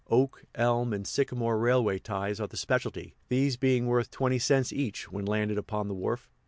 Oak, elm, and sycamore railway ties are the specialty, these being worth twenty cents each when landed upon the wharf.